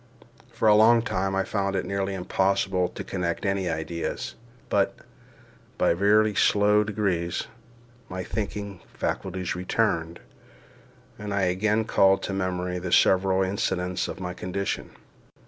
For a long time I found it nearly impossible to connect any ideas; but, by very slow degrees, my thinking faculties returned, and I again called to memory the several incidents of my condition.